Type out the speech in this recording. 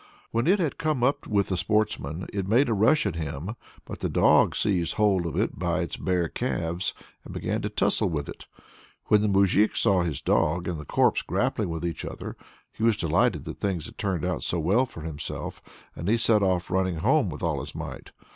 When it had come up with the sportsman, it made a rush at him; but the dog seized hold of it by its bare calves, and began a tussle with it. When the moujik saw his dog and the corpse grappling with each other, he was delighted that things had turned out so well for himself, and he set off running home with all his might.